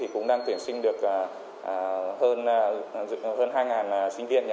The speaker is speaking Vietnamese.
cũng đang tuyển sinh được hơn hai sinh viên